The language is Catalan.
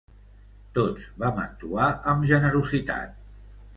Tots vam actuar amb generositat.